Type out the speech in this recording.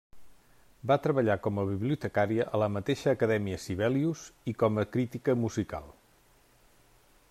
Va treballar com a bibliotecària a la mateixa Acadèmia Sibelius i com a crítica musical.